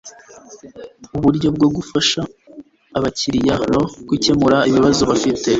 uburyo bwo gufasha abakiriya no gukemura ibibazo bafite